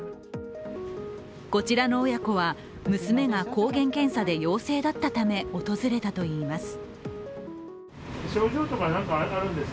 こちらの親子は、娘が抗原検査で陽性だったため訪れたといいます。